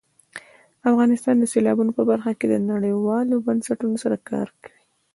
افغانستان د سیلابونو په برخه کې نړیوالو بنسټونو سره کار کوي.